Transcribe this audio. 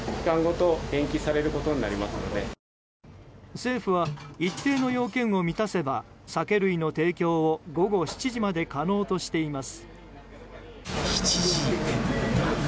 政府は、一定の要件を満たせば酒類の提供を午後７時まで可能としています。